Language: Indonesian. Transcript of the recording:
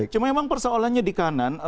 cuma memang persoalannya di kanan